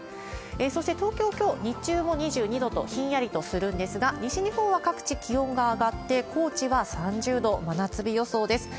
そして東京、きょう日中は２２度とひんやりとするんですが、西日本は各地気温が上がって、高知は３０度、真夏日予想です。